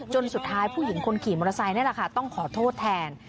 จนสุดท้ายผู้หญิงคนขี่มอเตอร์ไซค์ต้องขอโทษแทน